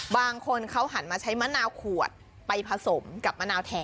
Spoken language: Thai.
บางคนเขาหันมาใช้มะนาวขวดไปผสมกับมะนาวแทน